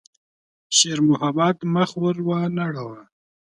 شېرمحمد مخ ور وانه ړاوه.